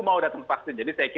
mau datang vaksin jadi saya kira